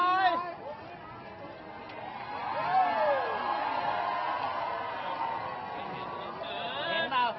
จ่ายเสื้อดีนะครับ